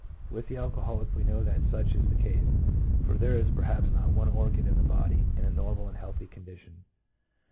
With the alcoholic we know that such is the case, for there is perhaps not one organ in the body in a normal and healthy condition.